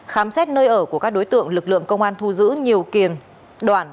khám xét nơi ở của các đối tượng lực lượng công an thu giữ nhiều kiềm đoạn